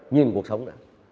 nhìn cuộc sống